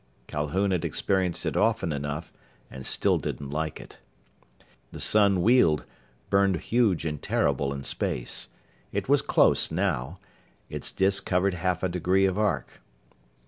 Calhoun had experienced it often enough, and still didn't like it. The sun Weald burned huge and terrible in space. It was close, now. Its disk covered half a degree of arc.